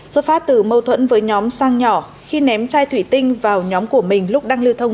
xuất phát từ mâu thuẫn với nhóm sang nhỏ khi ném chai thủy tinh vào nhóm của mình lúc đang lưu thông